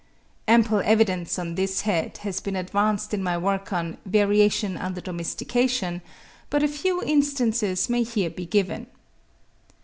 Ample evidence on this head has been advanced in my work on 'Variation under Domestication,' but a few instances may here be given.